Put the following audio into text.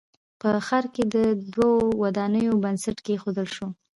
په ښار کښې د دوو ودانیو بنسټ کېښودل شو